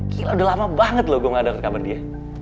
gila udah lama banget loh gua ga dapet kabar dia